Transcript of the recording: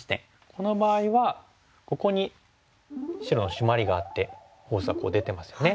この場合はここに白のシマリがあってフォースが出てますよね。